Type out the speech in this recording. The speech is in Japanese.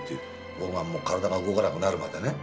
僕はもう体が動かなくなるまでね